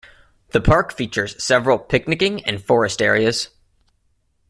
The park features several picnicking and forest areas.